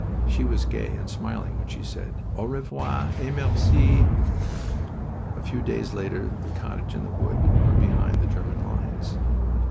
She was gay and smiling when she said, "Au revoir et merci!" A few days later the cottage and the wood were behind the German lines.